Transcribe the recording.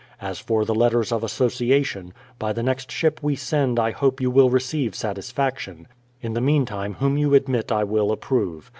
As for the Letters of Association, by the next ship we send I hope you will receive satisfaction ; in the meantime whom you admit I will approve.